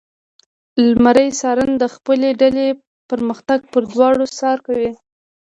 لمری څارن د خپلې ډلې پرمختګ پر دوام څار کوي.